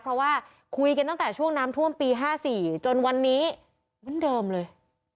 เพราะว่าคุยกันตั้งแต่ช่วงน้ำท่วมปี๕๔จนวันนี้เหมือนเดิมเลย